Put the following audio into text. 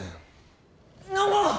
・難破！